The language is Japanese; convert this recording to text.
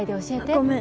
ごめん。